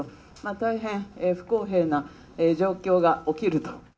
大変不公平な状況が起きると。